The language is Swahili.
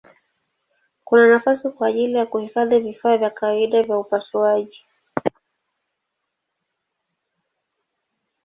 Kuna nafasi kwa ajili ya kuhifadhi vifaa vya kawaida vya upasuaji.